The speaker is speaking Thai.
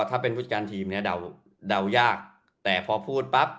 ถ้าเป็นพุทธการทีมเนี้ยเดาเดายากแต่พอพูดปั๊บ